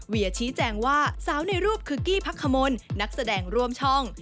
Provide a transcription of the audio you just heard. ชี้แจงว่าสาวในรูปคือกี้พักขมลนักแสดงร่วมช่อง